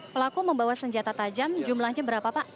pelaku membawa senjata tajam jumlahnya berapa pak